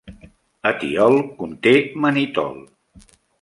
Ethyol conté mannitol.